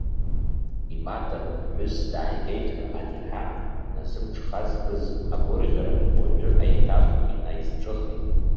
Имаҭа ԥҳәыс дааигеит ҳәа аниаҳа, дназымҽхазкыз агәырӷьара, уажәы еиҭах инаизҿыхеит.